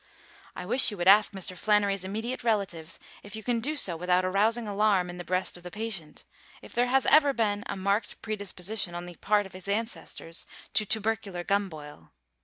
I wish you would ask Mr. Flannery's immediate relatives, if you can do so without arousing alarm in the breast of the patient, if there has ever been a marked predisposition on the part of his ancestors to tubercular gumboil.